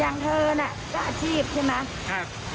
อย่างเธอน่ะก็อาชีพใช่ไหม